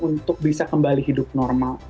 untuk bisa kembali hidup normal